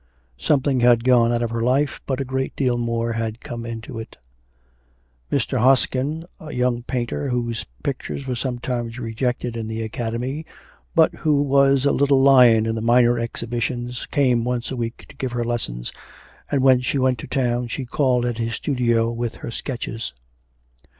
Something had gone out of her life, but a great deal more had come into it. Mr. Hoskin, a young painter, whose pictures were sometimes rejected in the Academy, but who was a little lion in the minor exhibitions, came once a week to give her lessons, and when she went to town she called at his studio with her sketches.